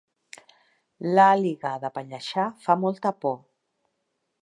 L'àliga de Pallejà fa molta por